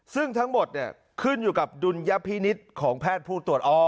ซึ่งทั้งหมดขึ้นอยู่กับดุลยพินิษฐ์ของแพทย์ผู้ตรวจอ้อ